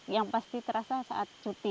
yang pasti terasa saat cuti